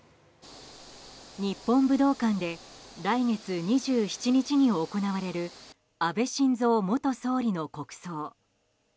日本武道館で来月２７日に行われる安倍晋三元総理の国葬。